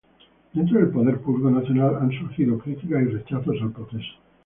Dentro del Poder Público Nacional han surgido críticas y rechazos al proceso.